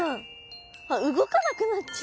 あっ動かなくなっちゃう！